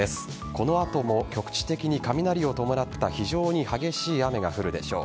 この後も局地的に雷を伴った非常に激しい雨が降るでしょう。